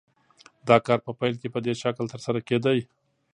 دا کار په پیل کې په دې شکل ترسره کېده